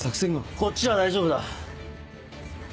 こっちは大丈夫だ。